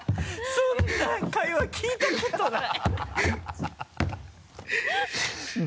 そんな会話聞いたことない